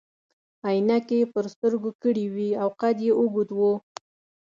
عینکې يې پر سترګو کړي وي او قد يې اوږد وو.